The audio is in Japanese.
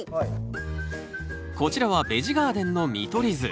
こちらはベジ・ガーデンの見取り図。